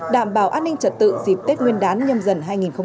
đảm bảo an ninh trật tự dịp tết nguyên đán nhầm dần hai nghìn hai mươi hai